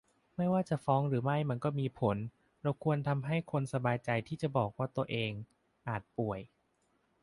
ไม่ว่าจะฟ้องหรือไม่มันก็มีผล เราควรทำให้คนสบายใจที่จะบอกว่าตัวเองอาจป่วย